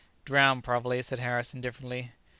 "Drowned, probably," said Harris indifferently.